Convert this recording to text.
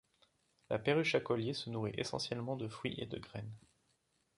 La perruche à collier se nourrit essentiellement de fruits et de graines.